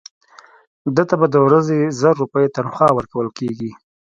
ده ته به د ورځې زر روپۍ تنخوا ورکول کېږي.